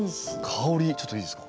ちょっといいですか？